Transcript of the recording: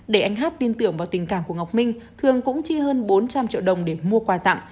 để anh hát tin tưởng vào tình cảm của ngọc minh thường cũng chi hơn bốn trăm linh triệu đồng để mua quà tặng